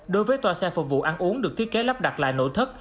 đối với toa xe phục vụ ăn uống được thiết kế lắp đặt lại nội thất